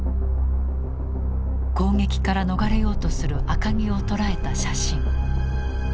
攻撃から逃れようとする赤城を捉えた写真。